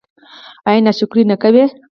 ایا ناشکري نه کوئ؟